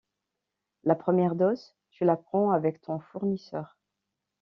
La première dose, tu la prends avec ton fournisseur.